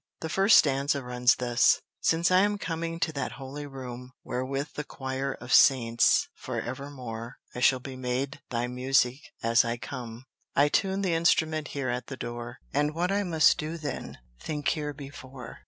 The first stanza runs thus: "Since I am coming to that holy room Where with the choir of saints forevermore I shall be made thy musique, as I come, I tune the instrument here at the door; And what I must do then, think here before."